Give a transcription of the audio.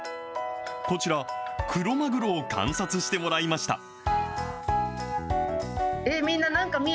こちら、クロマグロを観察してもらいました。